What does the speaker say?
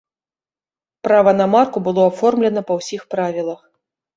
Права на марку было аформлена па ўсіх правілах.